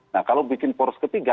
nah kalau bikin poros ketiga